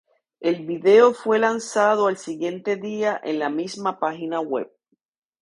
El video fue lanzado al siguiente día en la misma página web.